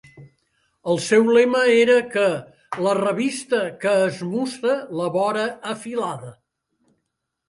El seu lema era que "la revista que esmussa la vora afilada".